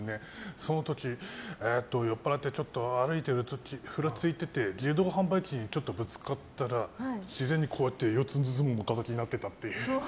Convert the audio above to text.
その時酔っぱらって歩いてる時ふらついてて自動販売機にぶつかったら自然に、こうやって相撲の形になってたという。